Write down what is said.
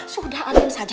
sudah aden saja